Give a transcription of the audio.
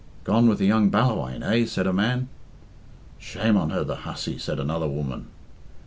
"Gone with the young Ballawhaine, eh?" said a man. "Shame on her, the hussy," said another woman.